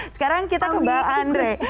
sekarang kita ke mbak andre